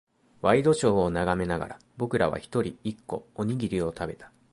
ワイドショーを眺めながら、僕らは一人、一個、おにぎりを食べた。